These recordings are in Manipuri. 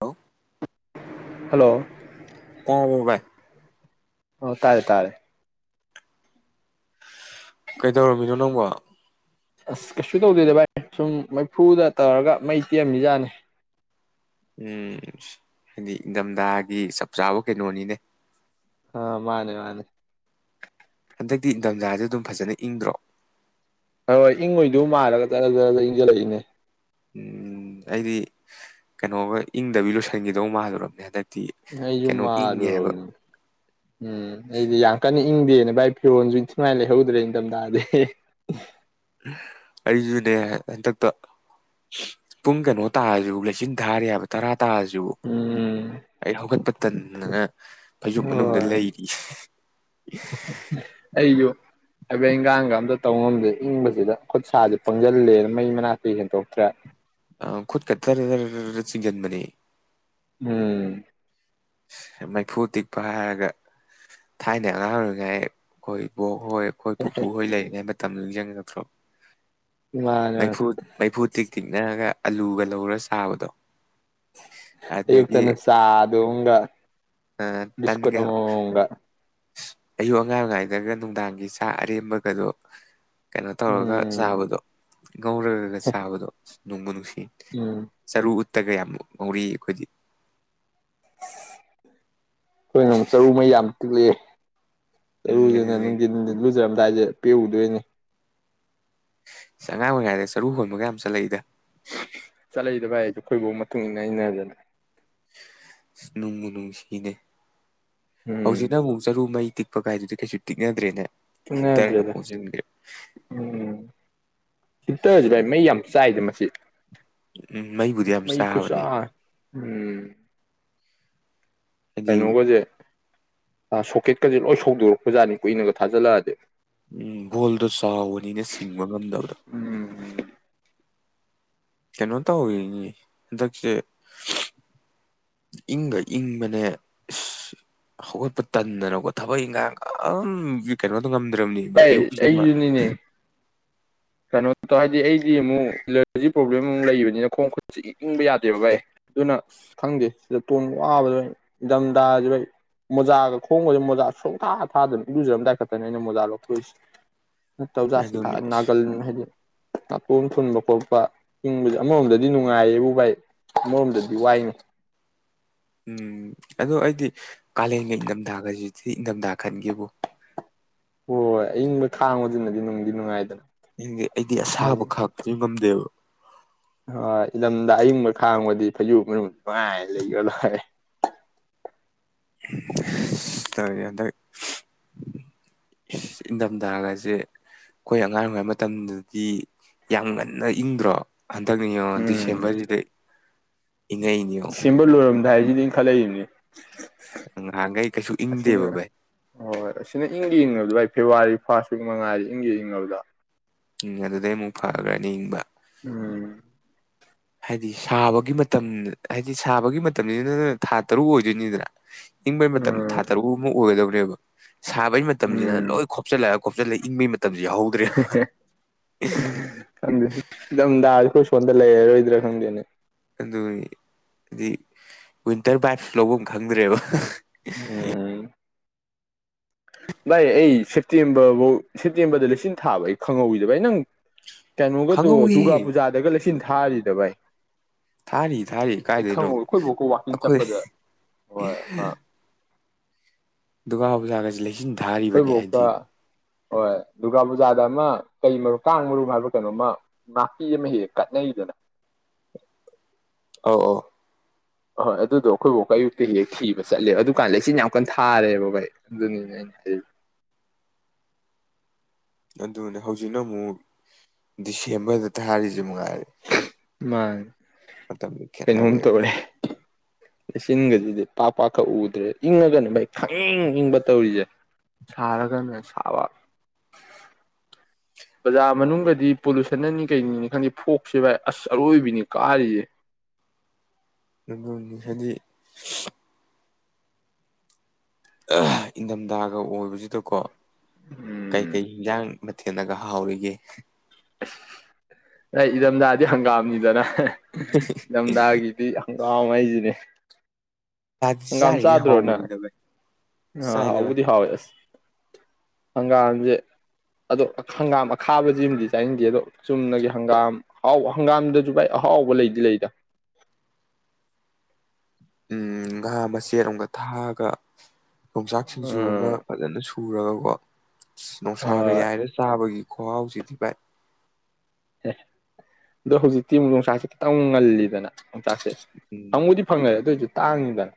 ꯍꯜꯂꯣ ꯍꯜꯂꯣ ꯇꯥꯕ꯭ꯔꯣ ꯚꯥꯏ ꯑꯣ ꯇꯥꯔꯦ ꯇꯥꯔꯦ ꯀꯩꯗꯧꯔꯝꯃꯤꯅꯣ ꯅꯪꯕꯣ [inaudible] ꯑꯁ ꯀꯩꯁꯨ ꯇꯧꯗꯦꯗ ꯚꯥꯏ ꯁꯨꯝ ꯃꯩꯐꯨꯗ ꯇꯧꯔꯒ ꯃꯩ ꯇꯤꯛꯑꯝꯃꯤꯖꯥꯠꯅꯤ ꯎꯝ ꯁ ꯍꯥꯏꯗꯤ ꯏꯪꯊꯝꯊꯥꯒꯤ ꯆꯞ ꯆꯥꯕ ꯀꯩꯅꯣꯅꯤꯅꯦ ꯑ ꯃꯥꯅꯦ ꯃꯥꯅꯦ ꯍꯟꯗꯛꯇꯤ ꯏꯪꯊꯝꯊꯥꯖꯦ ꯑꯗꯨꯝ ꯐꯖꯅ ꯏꯪꯗ꯭ꯔꯣ ꯍꯣꯏ ꯍꯣꯏ ꯏꯪꯉꯣꯏꯗꯧ ꯃꯥꯜꯂꯒ ꯖꯔ ꯖꯔ ꯏꯪꯖꯜꯂꯛꯏꯅꯦ ꯎꯝ ꯑꯩꯗꯤ ꯀꯩꯅꯣꯒ ꯏꯪꯗꯕꯤ ꯂꯣꯏꯁꯤꯟꯈꯤꯗꯧ ꯃꯥꯜꯂꯨꯔꯝꯅꯦ ꯍꯟꯗꯛ ꯑꯩꯁꯨ ꯃꯥꯜꯂꯨꯔꯕꯅꯤ ꯎꯝ ꯑꯩꯗꯤ ꯌꯥꯝ ꯀꯟꯅ ꯏꯪꯗꯦꯅ ꯚꯥꯏ ꯐꯤꯔꯣꯟꯁꯨ ꯏꯊꯤꯅꯨꯡꯉꯥꯏꯅ ꯂꯩꯍꯧꯗ꯭ꯔꯦ ꯏꯊꯝꯊꯥꯗꯤ ꯑꯩꯁꯨꯅꯦ ꯍꯟꯗꯛꯇ ꯄꯨꯡ ꯀꯩꯅꯣ ꯇꯥꯔꯁꯨ ꯂꯩꯆꯤꯟ ꯊꯥꯔꯤ ꯍꯥꯏꯕ ꯇꯔꯥ ꯇꯥꯖꯤꯕꯨ ꯎꯝ ꯑꯩ ꯍꯧꯒꯠꯄ ꯇꯟꯗꯅ ꯐꯩꯖꯨꯞ ꯃꯅꯨꯡꯗ ꯍꯣꯏ ꯂꯩꯔꯤ ꯑꯩꯁꯨ ꯊꯕꯛ ꯏꯪꯒꯥꯡꯒ ꯑꯝꯇ ꯇꯧ ꯉꯝꯗꯦ ꯏꯪꯕꯁꯤꯗ ꯈꯨꯠꯁꯥꯖꯧ ꯄꯪꯖꯜꯂꯦꯅ ꯃꯩ ꯃꯅꯥꯛꯇ ꯍꯦꯟꯗꯣꯛꯇ꯭ꯔꯦ ꯑ ꯈꯨꯠ ꯀ ꯇꯔꯔ ꯔꯔ ꯆꯤꯡꯖꯟꯕꯅꯦ ꯎꯝ ꯃꯩꯐꯨ ꯇꯤꯛꯄ ꯍꯥꯏꯔꯒ ꯊꯥꯏꯅ ꯑꯉꯥꯡ ꯑꯣꯏꯔꯤꯉꯥꯏ ꯈꯣꯏ ꯕꯣꯛ ꯍꯣꯏ ꯑꯩꯈꯣꯏ ꯄꯨꯄꯨ ꯃꯥꯅꯦ ꯍꯣꯏ ꯂꯩꯔꯤꯉꯩꯗ ꯇꯝꯗꯣ ꯅꯤꯡꯖꯪꯉꯛꯇ꯭ꯔꯣ ꯃꯥꯅꯦ ꯃꯩꯐꯨ ꯃꯩꯐꯨ ꯇꯤꯛ ꯇꯤꯛꯅꯒ ꯑꯂꯨꯒ ꯂꯧꯔ ꯆꯥꯕꯗꯣ ꯑꯗꯒꯤ ꯑꯌꯨꯛꯇꯅ ꯆꯥꯗꯝꯒ ꯕꯤꯁꯀꯨꯠ ꯑꯃꯝꯒ ꯑꯁ ꯑꯌꯨꯛ ꯑꯉꯥꯡ ꯑꯣꯏꯉꯥꯏꯗꯒ ꯅꯨꯡꯗꯥꯡꯒꯤ ꯆꯥꯛ ꯑꯔꯦꯝꯕꯒꯗꯣ ꯀꯩꯅꯣ ꯇꯧꯔꯒ ꯎꯝ ꯆꯥꯕꯗꯣ ꯉꯧꯔꯒꯒ ꯁꯥꯕꯗꯣ ꯑ ꯅꯣꯡꯃ ꯅꯨꯡꯁꯤ ꯎꯝ ꯆꯔꯨ ꯇꯒ ꯌꯥꯝ ꯉꯧꯔꯤ ꯑꯩꯈꯣꯏꯗꯤ ꯑꯩꯈꯣꯏꯅꯣꯝ ꯆꯔꯨ ꯃꯩ ꯌꯥꯝ ꯎꯝ ꯇꯤꯛꯂꯛꯑꯦ ꯑꯗꯨꯗꯒꯤ ꯆꯂꯂ ꯌꯥꯝ ꯇꯥꯏꯖꯦ ꯄꯤꯗꯅꯤ ꯆꯉꯥꯡ ꯑꯣꯏꯔꯤꯉꯥꯏꯗꯩ ꯆꯔꯨ ꯍꯣꯟꯕꯒ ꯌꯥꯝ ꯆꯠꯂꯛꯏꯗ ꯆꯠꯂꯛꯏꯗꯣ ꯚꯥꯏꯁꯨ ꯑꯩꯈꯣꯏꯐꯥꯎ ꯃꯇꯨꯡ ꯏꯟꯅ ꯑꯩꯅꯗꯅ ꯅꯨꯡꯒꯤ ꯅꯨꯡ ꯁꯤꯅꯦ ꯎꯝ ꯍꯧꯖꯤꯛꯅ ꯑꯃꯨꯛ ꯆꯔꯨ ꯃꯩ ꯇꯤꯛꯄ ꯀꯥꯏꯗꯨꯗꯤ ꯀꯩꯁꯨ ꯇꯤꯛꯅꯗ꯭ꯔꯦꯅꯦ ꯏ ꯇꯔꯅ ꯏꯟꯅꯗ꯭ꯔꯦꯗ ꯃꯖꯒ ꯍꯤꯠꯇꯔꯁ ꯚꯥꯏ ꯃꯩ ꯌꯥꯝ ꯆꯥꯏꯗ ꯃꯁꯤ ꯎꯝ ꯃꯩꯕꯨꯗꯤ ꯌꯥꯝ ꯃꯩ ꯆꯥꯕꯅꯤ ꯈꯨꯠꯆꯥ ꯎꯝ ꯍꯥꯏꯗꯤ ꯀꯩꯅꯣꯒꯁꯦ ꯁꯣꯀꯦꯠꯀꯁꯦ ꯂꯣꯏ ꯁꯧꯗꯣꯔꯛꯄ ꯖꯠꯅꯤ ꯀꯨꯏꯅꯒ ꯊꯥꯖꯤꯜꯂꯛꯑꯗꯤ ꯎꯝ ꯚꯣꯜꯗꯣ ꯆꯥꯎꯕꯅꯤꯅ ꯁꯤꯡꯕ ꯉꯝꯗꯕꯗꯣ ꯎꯝ ꯀꯩꯅꯣ ꯇꯧꯔꯤꯅꯤ ꯍꯟꯗꯛꯁꯦ ꯏꯪꯕ ꯏꯪꯕꯅꯦ ꯑ ꯍꯧꯒꯠꯄ ꯇꯟꯗꯅꯕꯀ ꯊꯕꯛ ꯏꯪꯈꯥꯡ ꯀꯩꯅꯣ ꯉꯝꯗ꯭ꯔꯕꯅꯤꯅꯦ ꯚꯥꯏ ꯑꯌꯨꯛꯀꯤꯁꯕ ꯑꯩꯁꯨꯅꯤꯅꯦ ꯀꯩꯅꯣ ꯇꯧ ꯍꯥꯏꯗꯤ ꯑꯩꯗꯤ ꯑꯃꯨꯛ ꯑꯦꯂꯔꯖꯤ ꯄ꯭ꯔꯣꯕ꯭ꯂꯦꯝ ꯑꯃꯨꯛ ꯂꯩꯕꯅꯤꯅ ꯈꯣꯡ ꯈꯨꯠꯁ ꯏ ꯏꯪꯕ ꯌꯥꯗꯦꯕ ꯚ ꯑꯩ ꯑꯗꯨꯅ ꯑꯁ ꯈꯪꯗꯦ ꯁꯤꯗ ꯇꯣꯟ ꯋꯥꯕꯗ ꯏꯊꯝꯊꯥꯁꯤꯩ ꯃꯣꯖꯥꯒ ꯈꯣꯡꯒꯁꯦ ꯃꯣꯖꯥ ꯁꯨꯡꯊꯥ ꯊꯥꯗꯅ ꯏꯔꯨꯖꯔꯝꯗꯥꯏ ꯈꯛꯇꯅꯦ ꯑꯩꯅ ꯃꯣꯖꯥ ꯂꯧꯊꯣꯛꯏꯁꯦ ꯇꯧꯖꯁꯤ ꯊ ꯑꯗꯨꯅꯤ ꯀ ꯍꯥꯏꯗꯤꯦ ꯅꯥꯀꯣꯝ ꯊꯨꯟꯕ ꯈꯣꯠꯄ ꯏꯪꯕꯁꯦ ꯑꯃꯔꯣꯝꯗꯗꯤ ꯅꯨꯡꯉꯥꯏꯌꯦꯕꯨ ꯚꯥꯏ ꯑꯃꯔꯣꯝꯗꯗꯤ ꯋꯥꯏꯅꯤ ꯎꯝ ꯑꯗ ꯑꯩꯗꯤ ꯀꯥꯂꯦꯟꯒ ꯏꯪꯊꯝꯊꯥꯒꯁꯤꯗꯤ ꯏꯪꯊꯝꯊꯥ ꯈꯟꯒꯕꯨ ꯍꯣꯏ ꯍꯣꯏ ꯑꯌꯪꯕ ꯊꯥꯡꯉꯗꯨꯅꯗꯤ ꯅꯨꯡꯗꯤ ꯅꯨꯡꯉꯥꯏꯗꯅ ꯑꯩꯗꯤ ꯑꯁꯥꯕ ꯍꯥꯏꯗꯤ ꯈꯥꯛꯇꯁꯨ ꯉꯝꯗꯦꯕ ꯍꯣꯏ ꯏ ꯂꯝꯗ ꯑꯌꯤꯡꯕ ꯈꯥꯡꯕꯗꯤ ꯐꯩꯖꯨ ꯃꯅꯨꯡ ꯅꯨꯡꯉꯥꯏ ꯂꯩꯈ꯭ꯔ ꯂꯣꯏ ꯇꯧꯦ ꯍꯟꯗꯛ ꯏꯪꯊꯝꯊꯥꯒꯁꯦ ꯑꯩꯈꯣꯏ ꯑꯉꯥꯡ ꯑꯣꯏꯔꯤꯉꯩ ꯃꯇꯝꯗꯗꯤ ꯌꯥꯝ ꯉꯟꯅ ꯏꯪꯗ꯭ꯔꯣ ꯍꯟꯗꯛ ꯌꯦꯡꯉꯣ ꯗꯤꯁꯦꯝꯕꯔꯁꯤꯗꯩ ꯁꯤꯝꯕꯜꯂꯨꯔꯝ ꯥꯏꯖꯗꯤ ꯈꯜꯂꯛꯏꯅꯤ ꯅꯍꯥꯟꯈꯩ ꯀꯩꯁꯨ ꯑꯁꯤꯅ ꯏꯪꯗꯦꯕ ꯚꯥꯏ ꯍꯣꯏ ꯍꯣꯏ ꯑꯁꯤꯅ ꯏꯪꯒꯦ ꯌꯦꯡꯉ ꯑꯗꯨꯥꯏ ꯐꯦꯕꯋꯥꯔꯤ ꯐꯥꯔꯁ ꯋꯤꯛ ꯃꯉꯥꯗ ꯏꯪꯒꯤ ꯏꯪꯗ ꯎ ꯑꯗꯨꯗꯩ ꯑꯃꯨꯛ ꯐꯈ꯭ꯔꯅꯤ ꯏꯪꯕ ꯎꯝ ꯍꯥꯏꯗꯤ ꯁꯥꯕꯒꯤ ꯃꯇꯝ ꯍꯥꯏꯗꯤ ꯁꯥꯕꯒꯤ ꯃꯇꯝꯁꯤꯗ ꯅ ꯊꯥ ꯇꯔꯨꯛ ꯑꯣꯏꯗꯣꯏꯅꯤꯗꯅ ꯏꯪꯕꯩ ꯃꯇꯝ ꯊꯥ ꯎꯝ ꯇꯔꯨꯛꯨ ꯑꯣꯏꯒꯗꯧꯅꯤ ꯐꯕ ꯁꯥꯕꯩ ꯃꯇꯝꯁꯤꯅ ꯂꯣꯏ ꯈꯣꯞꯆꯜꯂ ꯈꯣꯞꯆꯜꯂ ꯏꯪꯕ ꯗꯥꯗ ꯈꯨ ꯄꯟꯗꯂ ꯂꯩꯔꯔꯣꯏꯗ꯭ꯔ ꯈꯪꯗꯦꯅꯦ ꯑꯗꯨ ꯍꯥꯏꯗꯤ ꯋꯤꯟꯇꯔ ꯕꯥꯏꯞꯁꯨ ꯂꯧꯕꯝ ꯈꯪꯗ꯭ꯔꯦꯕ ꯑꯣ ꯚꯥꯏ ꯑꯩ ꯁꯦꯞꯇꯦꯝꯕꯔ ꯐꯧ ꯁꯦꯞꯇꯦꯝꯕꯔꯗ ꯂꯤꯁꯤꯡ ꯊꯥꯕ ꯑꯩ ꯈꯪꯍꯧꯋꯁꯦ ꯚꯥꯏ ꯅꯪ ꯀꯩꯅꯣꯒꯗꯣ ꯗꯨꯒꯥ ꯈꯪꯍꯧꯋꯤꯍꯦ ꯄꯨꯖꯥꯗꯒ ꯂ ꯁꯤꯟ ꯊꯥꯔꯤꯗ ꯥꯚꯥꯏ꯫ ꯊꯥꯔꯤ ꯊꯥꯔꯤ ꯀꯥꯏꯗꯣꯏꯅꯣ ꯑꯩꯈꯣꯏꯕꯣꯛꯀ ꯋꯥꯛꯀꯤꯡ ꯑꯩꯈꯣꯏ ꯆꯠꯄꯗ ꯍꯣꯏ ꯑꯃ ꯗꯨꯒꯥ ꯄꯨꯖꯥꯒꯁꯤ ꯂꯩꯁꯤꯟ ꯊꯥꯔꯤꯕꯅꯤ ꯑꯩꯈꯣꯏꯕꯣꯛꯀ ꯍꯥꯏꯗꯤ ꯍꯣꯏ ꯗꯨꯔꯒꯥ ꯄꯨꯖꯥꯗ ꯑꯃ ꯀꯩ ꯃꯔꯨ ꯀꯥꯡ ꯃꯔꯨ ꯍꯥꯏꯕ ꯀꯩꯅꯣꯃ ꯅꯥꯄꯤ ꯑꯃ ꯍꯦꯛ ꯍꯦꯛ ꯀꯠꯅꯩꯗꯅ ꯑꯣ ꯑꯍꯣꯏ ꯑꯗꯨꯗꯣ ꯑꯩꯈꯣꯏ ꯕꯣꯛꯀ ꯑꯌꯨꯛꯇ ꯍꯦꯛ ꯤꯈꯤꯕ ꯆꯠꯂꯦꯕ ꯑꯗꯨꯀꯥꯟꯗ ꯂꯩꯆꯤꯟ ꯌꯥꯝ ꯀꯟ ꯊꯥꯔꯦꯕ ꯚꯥꯏ ꯑꯗꯨꯅꯤꯅꯦ ꯑꯩꯅ ꯍꯥꯏ ꯑꯗꯨꯅꯦ ꯍꯧꯖꯤꯛꯅ ꯑꯃꯨꯛ ꯗꯤꯁꯦꯝꯕꯔꯗ ꯊꯥꯔꯤꯁꯦ ꯃꯉꯥꯏꯔꯦ ꯃꯥ ꯃꯇꯝ ꯃꯇꯝꯃꯤ ꯈꯟꯅꯔꯦ ꯂꯩꯆꯤꯟꯒꯁꯤꯗꯤ ꯄꯥꯛ ꯄꯥꯛꯀꯛ ꯎꯗ꯭ꯔꯦ ꯏꯪꯉꯒꯅ ꯚꯥꯏ ꯈꯪ ꯏꯪꯕ ꯇꯧꯔꯤꯁꯦ ꯁꯥꯔꯒꯅ ꯁꯥꯕ ꯕꯖꯥꯔ ꯃꯅꯨꯡꯗꯗꯤ ꯄꯣꯂꯨꯁꯟꯅꯅꯤ ꯀꯩꯅꯤꯅꯤ ꯈꯪꯗꯦ ꯐꯣꯛꯁꯦ ꯚꯥꯏ ꯑꯁ ꯑꯔꯣꯏꯕꯤꯅꯤ ꯀꯥꯔꯤꯁꯦ ꯑꯗꯨꯅꯤ ꯍꯥꯏꯗꯤ ꯏꯪꯊꯝꯊꯥꯒ ꯑꯣꯏꯕꯁꯤꯗꯀꯣ ꯎꯝ ꯀꯩꯀꯩ ꯏꯟꯖꯥꯡ ꯃꯊꯦꯜꯂꯒ ꯍꯥꯎꯔꯤꯒꯦ ꯑꯁ ꯏꯪꯗꯝꯗꯥꯗꯤ ꯍꯪꯒꯥꯝꯅꯤꯗꯅ ꯏꯪꯗꯝꯗꯒꯗꯤ ꯑꯥꯎ ꯃꯩꯖꯅꯦ ꯆꯥꯗꯤ ꯍꯪꯒꯥꯝ ꯆꯥꯔꯤꯉꯩ ꯆꯥꯗ꯭ꯔꯣꯅꯦ ꯍꯥꯎꯕꯅꯤꯗ ꯚꯥꯏ ꯆꯥꯏꯗ ꯚꯥꯏ ꯅꯪꯍꯥꯎꯕꯨꯗꯤ ꯍꯥꯎꯋꯦ ꯑꯁ ꯍꯪꯒꯥꯝꯁꯦ ꯑꯗꯣ ꯍꯪꯒꯥꯝ ꯑꯈꯥꯕꯁꯤꯃꯗꯤ ꯆꯥꯏꯟꯗꯦ ꯑꯗꯣ ꯆꯨꯝꯅꯒꯤ ꯍꯪꯒꯥꯝ ꯑꯍꯥꯎꯕ ꯍꯪꯒꯥꯝꯗꯁꯨ ꯚꯥꯏ ꯑꯍꯥꯎꯕ ꯂꯩꯗꯤ ꯂꯩꯗ ꯎꯝ ꯉꯥ ꯃꯆꯦꯠ ꯑꯃꯒ ꯊꯥꯛꯑꯥꯒ ꯌꯣꯡꯆꯥꯛ ꯁꯤꯡꯖꯨ ꯑꯃ ꯎꯝ ꯐꯖꯅ ꯁꯨꯔꯒꯀꯣ ꯅꯨꯡꯁꯥꯒ ꯍꯣꯏ ꯌꯥꯏꯔ ꯆꯥꯕꯒꯤ ꯈꯨꯍꯥꯑꯣ ꯁꯤꯊꯤ ꯚꯥꯏ ꯑꯦ ꯑꯗꯣ ꯍꯧꯖꯤꯛꯇꯤ ꯌꯣꯡꯆꯥꯛꯁꯤ ꯈꯤꯇꯪ ꯉꯜꯂꯤꯗꯅ ꯆꯥꯛꯁꯦ ꯎꯝ ꯐꯪꯉꯨꯗꯤ ꯐꯪꯉꯦ ꯑꯗꯨꯑꯣꯏꯁꯨ ꯇꯥꯡꯉꯤꯗꯅꯥ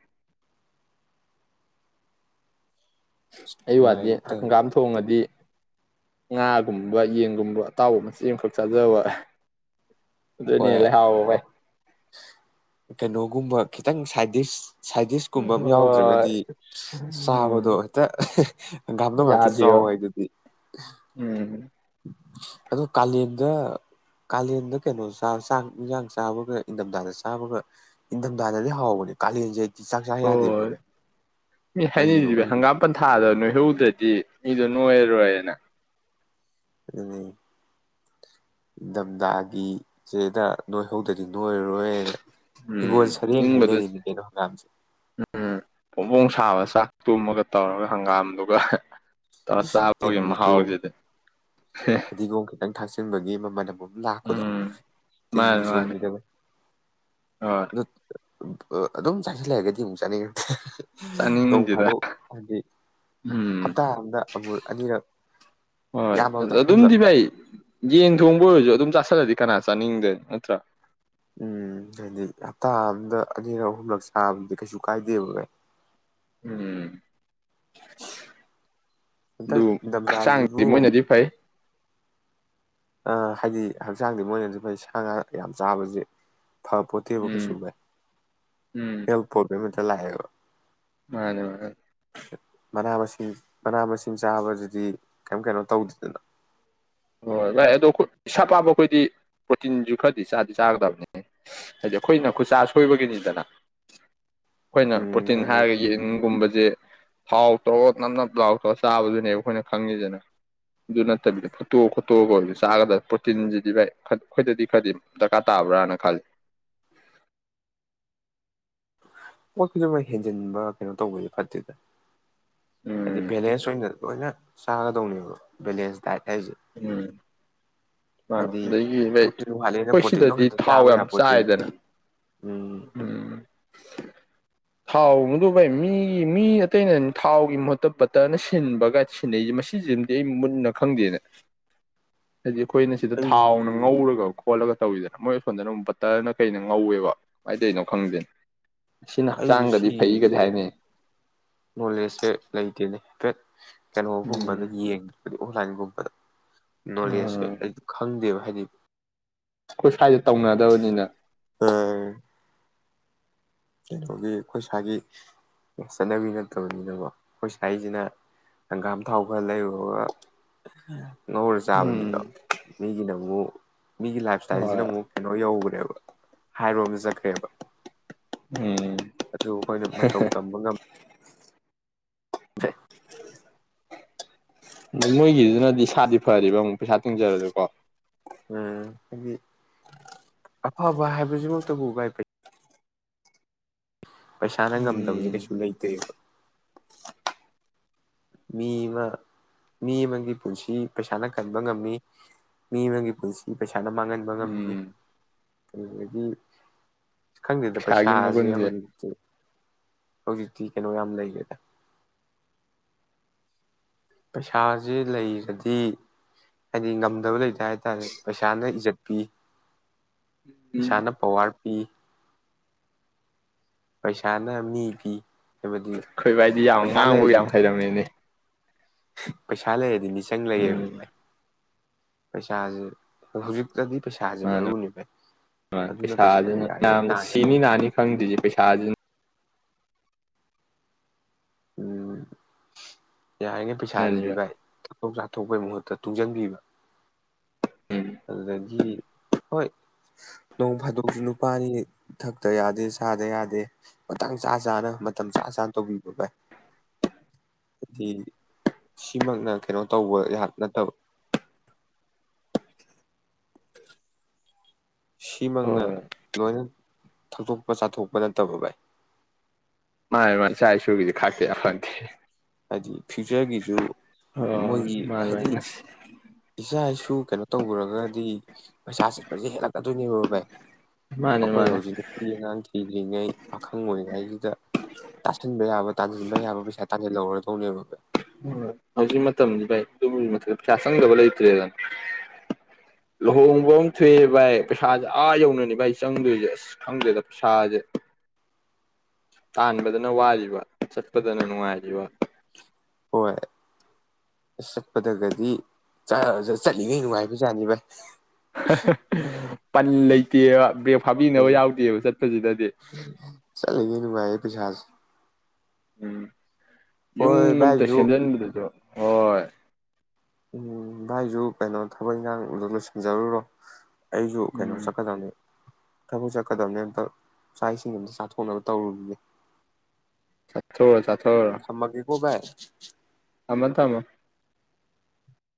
ꯑꯩ ꯋꯥꯗꯤ ꯅꯨꯡꯉꯥꯏꯇꯧꯋꯤ ꯍꯪꯒꯥꯝ ꯊꯣꯡꯉꯗꯤ ꯉꯥꯒꯨꯝꯕ ꯌꯦꯟꯒꯨꯝꯕ ꯑꯇꯥꯎꯕ ꯃꯆꯦ ꯑꯃꯈꯛ ꯆꯥꯖꯕ ꯑꯗꯨ ꯑꯗꯨꯅꯤ ꯍꯣꯏ ꯂꯩ ꯍꯥꯎꯏ ꯚꯏ ꯀꯩꯅꯣꯒꯨꯝꯕ ꯈꯤꯇꯪ ꯁꯥꯏꯗꯤꯤꯁ ꯁꯥꯏꯗꯤꯁꯀꯨꯝꯕ ꯑꯃ ꯍꯣꯏ ꯌꯥꯎꯗ꯭ꯔꯒꯗꯤ ꯎꯝ ꯆꯥꯕꯗꯣ ꯍꯦꯛꯇ ꯍꯪꯒꯥꯝꯗꯣ ꯉꯥꯛꯇ ꯌꯥꯗꯦꯕ ꯆꯥꯎꯋꯦ ꯍꯥꯏ ꯑꯗꯨꯗꯤ ꯎꯝ ꯑꯣ ꯀꯥꯂꯦꯟꯗ ꯀꯥꯂꯦꯟꯗ ꯀꯩꯅꯣ ꯆꯥꯛ ꯏꯟꯁꯥꯡ ꯆꯥꯕꯒ ꯏꯪꯊꯝꯊꯥꯗ ꯆꯥꯕꯒ ꯏꯪꯊꯝꯊꯥꯗꯗꯤ ꯍꯥꯎꯕꯅꯦ ꯀꯥꯂꯦꯟꯁꯦ ꯆꯥꯛ ꯆꯥ ꯌꯥꯗꯦꯕ ꯍꯣꯏ ꯃꯤ ꯀꯩꯒꯤꯅꯣ ꯍꯥꯏꯅꯤꯗꯨꯚ ꯈꯪꯗꯦ ꯍꯪꯒꯥꯝ ꯄꯟꯊꯥꯗ ꯅꯣꯏ ꯍꯧꯗꯔꯗꯤ ꯃꯤꯗꯨ ꯅꯣꯏꯔ ꯔꫭꯏꯅ ꯑꯗꯨ ꯏꯊꯝꯊꯥꯒꯤ ꯆꯦꯗ ꯅꯣꯏꯍꯧꯗꯗꯤ ꯅꯣꯏꯔꯔꯣꯏꯅ ꯎꯝ ꯍꯤꯡꯒꯣꯜ ꯁꯔꯦꯡ ꯅꯤꯡꯕꯗ ꯍꯥꯏꯅꯔꯤꯅꯤ ꯀꯩꯅꯣ ꯍꯪꯒꯥꯝꯁꯦ ꯎꯝ ꯐꫭꯕꯣꯡ ꯁꯥꯕ ꯆ ꯇꯨꯝꯃꯒ ꯇꯧꯔꯒ ꯍꯪꯒꯥꯝꯗꯨꯒ ꯇ ꯆꯒ ꯇꯤꯟꯕꯨꯖꯣ ꯃꯍꯥꯎꯥꯎꯖꯗꯦ ꯐꯗꯤꯒꯣꯝ ꯈꯤꯇꯪ ꯊꯥꯛꯆꯤꯟꯕꯒꯤ ꯃꯃꯜ ꯂꯥꯛꯀꯗꯣ ꯎꯝ ꯃꯥꯅꯤ ꯇꯤꯟꯁꯨ ꯃꯥꯅꯤ ꯃꯤꯗꯕ ꯍꯣꯏ ꯑ ꯑꯗꯨꯝ ꯆꯥꯁꯤꯜꯂꯛꯑꯒꯗꯤ ꯑꯃꯨꯛ ꯆꯥꯅꯤꯡꯉꯦ ꯅꯧ ꯆꯥꯅꯤꯡꯗꯦꯗ ꯐꯥꯗꯣꯛ ꯍꯥꯏꯗꯤ ꯎꯝ ꯍꯞꯇꯥ ꯑꯃꯗ ꯑꯃꯨꯔ ꯑꯅꯤꯔꯛ ꯍꯣꯏ ꯌꯥꯝꯃꯕꯗ ꯑꯍꯨꯝꯂꯛ ꯑꯗꯨꯝꯗꯤ ꯚꯥꯏ ꯌꯦꯟ ꯊꯣꯡꯕ ꯑꯣꯏꯔꯁꯨ ꯑꯗꯨꯝ ꯆ ꯀꯅꯥꯥ ꯆꯥꯅꯤꯗꫭꯏꯅꫭ ꯅꯠꯇꯔ ꯎꯝ ꯍꯥꯏꯗꯤ ꯍꯞꯇꯥ ꯑꯝꯗ ꯑꯅꯤꯔꯛ ꯑꯍꯨꯝꯂꯛ ꯆꯥꯕꯗꯨꯗꯤ ꯀꯩꯁꯨ ꯀꯥꯏꯗꯦꯕ ꯀꯥꯏ ꯎꯝ ꯑꯗꯨ ꯍꯟꯗꯛ ꯍꯛꯆꯥꯡꯗꯤ ꯅꯤꯡꯊꯝꯊꯥꯁꯤꯕꯨ ꯃꯣꯏꯅꯗꯤ ꯐꯩ ꯑ ꯍꯥꯏꯗꯤ ꯍꯛꯆꯥꯡꯗꯤ ꯃꯣꯏꯅꯁꯨ ꯐꯩ ꯁꯥ ꯉꯥ ꯌꯥꯝ ꯆꯥꯕꯁꯦ ꯐꯥꯄꫭꯠꯇꯦꯕ ꯎꯝ ꯀꯩꯁꯨꯚꯥꯏ ꯎꯝ ꯍꯦꯜ ꯄꯔꫭꯕꯂꯦꯝ ꯆꯂꯥꯏꯣ ꯃꯥꯅꯦ ꯃꯥ ꯃꯅꯥ ꯃꯁꯤꯡ ꯃꯅꯥ ꯃꯁꯤꯡ ꯆꯥꯕꯁꯤꯗꯤ ꯀꯔꯤꯝ ꯀꯩꯅꯣ ꯇꯧꯗꯦꯗꯅ ꯍꯣꯏ ꯂꯥꯛꯑꯦ ꯑꯗꯣ ꯏꯁꯥ ꯄꯥꯕ ꯑꯩꯈꯣꯏꯗꯤ ꯄ꯭ꯔꯣꯇꯤꯟꯁꯨ ꯈꯔꯗꯤ ꯆꯥꯗꯤ ꯆꯥꯒꯗꯕꯅꯤ ꯍꯥꯏꯗꯤ ꯑꯩꯈꯣꯏꯅ ꯈꯨꯠꯆꯥ ꯁꯣꯏꯕꯒꯤꯅꯤꯗꯅ ꯑꯩꯈꯣꯏꯅ ꯎꯝ ꯄ꯭ꯔꯣꯇꯤꯟ ꯍꯥꯏꯗꯤ ꯍꯥꯏꯔꯒ ꯌꯦꯅꯨꯡꯒꯨꯝꯕꯁꯦ ꯊꯥꯎ ꯇꯔꯣ ꯅꯞ ꯅꯞ ꯂꯥꯎꯊ꯭ꯔ ꯆꯥꯕꯗꯨꯅꯦꯕ ꯑꯩꯈꯣꯏꯅ ꯈꯪꯉꯤꯗꯅ ꯑꯗꯨ ꯅꯠꯇꯕꯤꯗ ꯈꯠꯇꯣ ꯈꯣꯠꯇꯣꯛꯑꯒ ꯆꯥꯒꯗ ꯄ꯭ꯔꯣꯇꯤꯟꯁꯤꯗꯤ ꯚꯥꯏ ꯑꯩꯈꯣꯏꯗꯗꯤ ꯈꯔꯗꯤ ꯗꯔꯀꯥꯔ ꯇꯥꯕ꯭ꯔꯥꯅ ꯈꯜꯂꯤ ꯍꯣꯏ ꯈꯨꯗꯤꯡꯃꯛ ꯍꯦꯟꯖꯤꯟꯕ ꯀꯩꯅꯣ ꯇꯧꯕꯁ ꯐꯠꯇꯦꯗ ꯍꯥꯏꯗꯤ ꯎꯝ ꯕꯦꯂꯦꯟꯁꯠ ꯑꫭꯏꯅ ꯂꯣꯏꯅ ꯆꯥꯒꯗꯧꯅꯦꯕ ꯕꯦꯂꯦꯟꯁ ꯗꯥꯏꯠ ꯍꯥꯏꯁꯦ ꯎꯝ ꯍꯥꯏꯗꯤ ꯑꯗꯒꯤ ꯍ ꯄ꯭ꯔꯣꯇꯤꯟ ꯋꯥꯠꯂꯦꯅ ꯑꯩꯈꯣꯏ ꯄ꯭ꯔꯣꯇꯤꯟꯗꯣ ꯁꯤꯗꯗꯤ ꯈꯛꯇ ꯊꯥꯎ ꯆꯥꯕ ꯌꯥꯝ ꯌꯥꯄꯣꯠꯇꯦꯕ ꯆꯥꯏꯗꯅ ꯎꯝ ꯎꯝ ꯊꯥꯎ ꯃꯗ ꯚꯥꯏ ꯃꯤꯒꯤ ꯃꯤ ꯑꯇꯩꯅ ꯊꯥꯎꯒꯤ ꯃꯍꯨꯠꯇ ꯕꯠꯇꯅ ꯁꯤꯟꯕꯒꯥꯏ ꯁꯤꯟꯅꯩꯁꯦ ꯃꯁꯤꯁꯤꯃꯗꯤ ꯑꯩ ꯃꯨꯟꯅ ꯈꯪꯗꯦꯅꯦ ꯍꯥꯏꯗꯤ ꯑꯩꯈꯣꯏꯅ ꯁꯤꯗ ꯑꯩ ꯊꯥꯎꯅ ꯉꯧꯔꯒ ꯈꯣꯠꯂꯒ ꯇꯧꯋꯤꯗꯅ ꯃꯣꯏ ꯁꯁꯣꯟꯝꯗꯅ ꯑꯃꯨꯛ ꯄꯠꯇꯅ ꯀꯩꯅ ꯉꯧꯋꯦꯕ ꯃꯥꯏꯇꯩꯩꯅꯣ ꯈꯪꯗꯦꯅꯦ ꯑꯩꯁꯨ ꯁꯤꯒꯤꯁꯦ ꯅꯣꯂꯦꯖꯁꯦ ꯂꯩꯇꯦꯅꯦ ꯇꯠ ꯀꯩꯅꯣꯒꯨꯝꯕꯗ ꯎꯝ ꯌꯦꯡꯉ ꯑꯣ ꯂꯥꯏꯒꯨꯝꯕꯗ ꯎꯝ ꯅꯣꯂꯦꯖꯁꯦ ꯈꯪꯗꯦ ꯍꯥꯏꯅꯤ ꯈꯁ ꯍꯥꯏꯦ ꯇꯧꯅꯗꯕꯅꯤꯅ ꯀꯩꯅꯣꯒꯤ ꯑꯩꯈꯣꯏ ꯏꯁꯥꯒꯤ ꯆꯠꯅꯕꯤ ꯅꯠꯇꯕꯅꯤꯅꯀꯣ ꯑꯩꯈꯣꯏ ꯁꯥꯒꯤꯁꯤꯅ ꯍꯪꯒꯥꯝ ꯊꯥꯎ ꯈꯔ ꯂꯩꯔꯨꯔꯒ ꯉꯍꯔ ꯎꯝ ꯆꯥꯕꯅꯤꯗꯣ ꯃꯤꯒꯤꯗ ꯑꯗꯨ ꯃꯤꯒꯤ ꯂꯥꯏꯐ ꯏꯁ꯭ꯇꯥꯏꯜꯁꯤꯅ ꯍꯣꯏ ꯑꯃꯨꯛ ꯀꯩꯅꯣ ꯌꯧꯕꯅꯦꯕ ꯍꯥꯏꯔꯣꯕ ꯆꯠꯈ꯭ꯔꯦꯕ ꯎꯝ ꯑꯗꯨ ꯑꯩꯈꯣꯏꯅ ꯃꯇꯧ ꯇꯝꯕ ꯉ ꯃꯣꯏꯒꯤꯗꯨꯅꯗꯤ ꯏꯁꯥꯗꯤ ꯐꯔꯤꯕ ꯑꯃꯨꯛ ꯄꯩꯁꯥ ꯇꯨꯡꯖꯔꯁꯨꯀꯣ ꯍꯥꯏꯗꯤ ꯑꯐꯕ ꯍꯥꯏꯕꯁꯤꯃꯛꯇꯕꯨ ꯎꯒꯥꯏ ꯐꯩ ꯄꯩꯁꯥꯅ ꯉꯝꯗꯕꯁꯦ ꯎꯝ ꯀꯩꯁꯨ ꯂꯩꯇꯦꯕ ꯃꯤ ꯑꯃ ꯃꯤ ꯑꯃꯒꯤ ꯄꯨꯟꯁꯤ ꯄꯩꯁꯥꯅ ꯀꯟꯕ ꯉꯝꯃꯤ ꯃꯤ ꯑꯃꯒꯤ ꯄꯨꯟꯁꯤ ꯄꯩꯁꯥꯅ ꯃꯥꯡꯍꯟꯕ ꯉꯝꯃꯤ ꯎꯝ ꯑꯗꯨꯗꯒꯤ ꯈꯪꯗꯦꯗ ꯄꯩꯁꯥꯒꯤ ꯄꯩꯁꯥꯁꯦ ꯃꯒꯨꯟꯁꯦ ꯍꯧꯖꯤꯤ ꯍꯧꯖꯤꯛꯇꯤ ꯀꯩꯅꯣ ꯌꯥꯝ ꯂꯩꯒꯦꯗ ꯄꯩꯁꯥꯁꯦ ꯂꯩꯔꯗꯤ ꯍꯥꯏꯗꯤ ꯉꯝꯗꯕ ꯂꯩꯇ ꯍꯥꯏ ꯇꯥꯔꯦ ꯄꯩꯁꯥꯅ ꯏꯖꯠ ꯄꯤ ꯑꯩꯈꯣꯏ ꯄꯩꯁꯥꯅ ꯄꯋꯥꯔ ꯄꯤ ꯄꯩꯁꯥꯅ ꯃꯤ ꯄꯤ ꯍꯥꯏꯕꯗꯤ ꯑꯩꯈꯣꯏ ꯏꯗꯤ ꯌꯥꯝ ꯉꯥꯡꯕꯕꯨ ꯌꯥꯝ ꯍꯩꯔꯝꯃꯤꯅꯦ ꯄꯩꯁꯥꯂꯦ ꯍꯥꯏꯗꯤꯅꯤ ꯆꯪ ꯎꯝ ꯂꯩꯌꯦꯕꯚ ꯄꯩꯁꯥꯁꯦ ꯍꯧꯖꯤꯛ ꯑꯗꯨꯅ ꯄꯩꯁꯥꯗꯤ ꯄꯩꯁꯥꯗꯨꯅ ꯌꯥꯔꯤꯉꯩ ꯃꯅ ꯁꯤꯅꯤ ꯇꯥꯟꯒꯗꯧꯅꯤ ꯅꯥꯅꯤ ꯈꯪꯗ꯭ꯔꯤꯁꯤ ꯄꯩꯁꯥꯁꯤꯅ ꯎꯝ ꯌꯥꯔꯤꯅꯦ ꯄꯩꯁꯥꯗꯨꯗꯤ ꯚꯥꯏ ꯆꯥꯊꯣꯛ ꯆꯥꯊꯣꯛꯄꯩ ꯃꯍꯨꯠꯇ ꯇꯨꯡꯁꯤꯟꯕꯤꯕ ꯎꯝ ꯑꯗꯨ ꯍꯣꯏ ꯅꯣꯡ ꯐꯥꯗꯣꯛꯁꯨ ꯅꯨꯄꯥꯅꯤ ꯊꯛꯇ ꯌꯥꯗꯦ ꯁꯥꯗ ꯌꯥꯗꯦ ꯃꯇꯥꯡ ꯆꯥ ꯆꯥꯅ ꯃꯇꯝ ꯆꯥ ꯆꯥꯅ ꯇꯧꯕꯤꯕ ꯚꯥꯏ ꯍꯥꯏꯗꯤ ꯁꯤꯃꯛꯅ ꯀꯩꯅꯣ ꯇꯧꯕꯍꯥꯛ ꯅꯠꯇꯕ ꯁꯤꯃꯛꯅ ꯍꯣꯏ ꯂꯣꯏꯅ ꯊꯛꯛꯇꯣꯛꯄ ꯆꯥꯊꯣꯛꯄ ꯅꯠꯇꯕ ꯚꯥꯏ ꯃꯥꯅꯦ ꯃꯥꯥꯏ ꯆꯥꯏ ꯁꯨꯕꯤ ꯈꯥꯛꯀꯦ ꯑꯗꯤ ꯍꯥꯏꯗꯤ ꯐ꯭ꯌꯨꯆꯔꯒꯤꯁꯨ ꯍꯣꯏ ꯃꯣꯏꯒꯤ ꯃꯥꯅꯦ ꯍꯥꯏꯗꯤ ꯃꯥꯅꯦ ꯏꯆꯥ ꯏꯁꯨ ꯀꯩꯅꯣ ꯇꯧꯔꯨꯔꯒꯗꯤ ꯄꯩꯁꯥ ꯆꯠꯄꯁꯤ ꯍꯦꯜꯂꯛꯀꯅꯤ ꯑꯗꯨꯅꯦꯕꯣ ꯚꯏ ꯃꯥꯅꯦ ꯑꯩꯈꯣꯏ ꯃꯥꯅꯦ ꯍꯧꯖꯤꯛ ꯅꯨꯄꯤ ꯑꯉꯥꯡ ꯊꯤꯗ꯭ꯔꯤꯉꯩ ꯄꯥꯈꯪ ꯑꯣꯏꯔꯤꯉꯩꯁꯤꯗ ꯇꯥꯁꯟꯕ ꯌꯥꯕ ꯇꯥꯟꯁꯤꯟꯕ ꯌꯥꯕ ꯄꯩꯁꯥ ꯇꯥꯁꯤꯜꯍꯔ ꯍꯅꯦꯕ ꯍꯧꯖꯤꯛ ꯃꯇꯝꯗꯤ ꯚꯥꯏ ꯑꯗꯨꯝ ꯃꯊ ꯄꯩꯁꯥ ꯆꯪꯗꯕ ꯂꯩꯇ꯭ꯔꯦꯗꯅ ꯂꯨꯍꯣꯡꯕ ꯑꯃ ꯊꯣꯛꯑꯦ ꯚꯥꯏ ꯄꯩꯁꯥꯁꯦ ꯑꯥ ꯌꯧꯅꯅꯤ ꯚꯥꯏ ꯆꯪꯗꯣꯏꯁꯦ ꯑꯁ ꯈꯪꯗꯦꯗ ꯄꯩꯁꯥꯁꯦ ꯇꯥꯟꯕꯗꯅ ꯋꯥꯔꯤꯕ ꯆꯠꯄꯗꯅꯦꯅꯅꯨꯡꯉꯥꯏ ꯋꯥ ꯍꯣꯏ ꯑꯁ ꯆꯠꯄꯗꯒꯗꯤ ꯑ ꯆꯠꯂꯤꯉꯩ ꯅꯨꯡꯉꯥꯏꯕꯖꯥꯅꯤꯕ ꯄꯟ ꯂꯩꯇꯦꯕ ꯕ꯭ꯔꯦꯛ ꯐꯥꯕꯤꯅꯕ ꯎꯝ ꯌꯥꯎꯗꯦꯕ ꯆꯠꯄꯁꯤꯗꯗꯤ ꯆꯠꯂꯤꯉꯩ ꯅꯨꯡꯉꯥꯏꯌꯦ ꯄꯩꯁꯥꯁꯦ ꯎꯝ ꯌꯨꯝ ꯍꯣꯏ ꯑꯝꯇ ꯚꯥꯏꯁꯨ ꯁꯦꯝꯖꯤꯟꯕꯗꯁꯨ ꯍꯣꯏ ꯎꯝ ꯚꯥꯏꯁꯨ ꯀꯩꯅꯣ ꯊꯕꯛ ꯏꯪꯈꯥꯡꯗ ꯂꯣꯏꯁꯤꯟꯖꯔꯨꯔꯣ ꯑꯩꯁꯨ ꯀꯩꯅꯣ ꯎꯝ ꯆꯠꯀꯗꯕꯅꯤ ꯊꯕꯛ ꯆꯠꯀꯗꯕꯅꯦ ꯑꯝꯇ ꯆꯥꯛ ꯏꯁꯤꯡ ꯑꯝꯇ ꯆꯥꯊꯣꯛꯅꯕ ꯇꯧꯔꯨꯔꯤꯒꯦ ꯆꯠꯊ ꯆꯠꯊ ꯚꯥꯏ ꯊꯃ ꯊꯃ